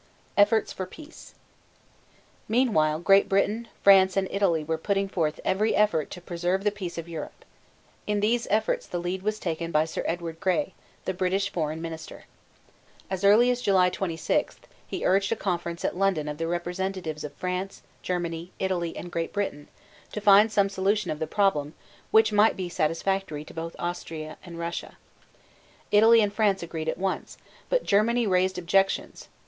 EFFORTS FOR PEACE. Meanwhile Great Britain, France, and Italy were putting forth every effort to preserve the peace of Europe. In these efforts the lead was taken by Sir Edward Grey, the British foreign minister. As early as July 26 he urged a conference at London of the representatives of France, Germany, Italy, and Great Britain to find some solution of the problem which might be satisfactory to both Austria and Russia. Italy and France agreed at once, but Germany raised objections.